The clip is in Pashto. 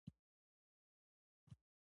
لمر ورو ورو د مازیګر خوا ته کږ شو.